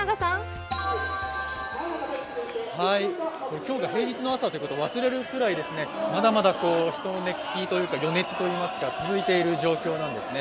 今日が平日の朝ということを忘れるぐらいまだまだ人の熱気といいますか余熱が続いている状況ですね。